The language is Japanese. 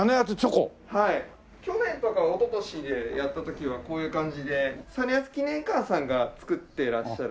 去年とかおととしでやった時はこういう感じで実篤記念館さんが作ってらっしゃるものでして。